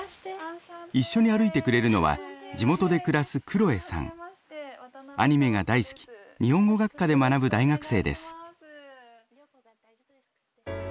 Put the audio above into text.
一緒に歩いてくれるのは地元で暮らすアニメが大好き日本語学科で学ぶ大学生です。